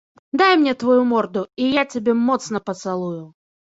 Дай мне тваю морду, і я цябе моцна пацалую.